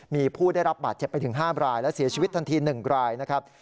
มีผู้ได้รับบาดเจ็บไปถึง๕รายและเสียชีวิตทันที๑รายนะครับ